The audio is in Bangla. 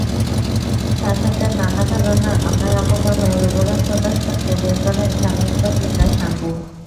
শাসকদের নানা ধরনের অন্যায়-অপকর্মের বিবরণ প্রকাশ করতে বের করেন সাময়িক পত্রিকা সাংগু।